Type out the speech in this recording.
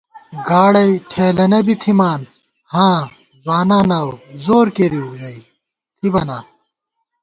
گاڑَئی ٹھیلَنہ بی تھِمان ہاں ځواناناؤ زورکېرِؤ ژَئی تھِبہ نا